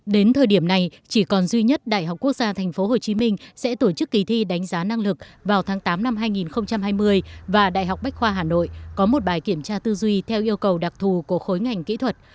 đến thời điểm này chỉ còn duy nhất đại học quốc gia tp hcm sẽ tổ chức kỳ thi đánh giá năng lực vào tháng tám năm hai nghìn hai mươi và đại học bách khoa hà nội có một bài kiểm tra tư duy theo yêu cầu đặc thù của khối ngành kỹ thuật